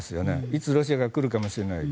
いつ、ロシアが来るかもしれないと。